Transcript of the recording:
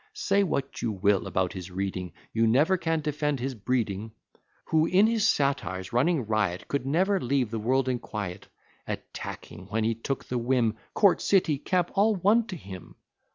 Say what you will about his reading, You never can defend his breeding; Who in his satires running riot, Could never leave the world in quiet; Attacking, when he took the whim, Court, city, camp all one to him.